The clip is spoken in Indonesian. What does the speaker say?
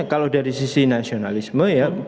kalau dari sisi nasionalisme ya